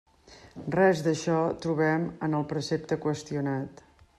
Res d'això trobem en el precepte qüestionat.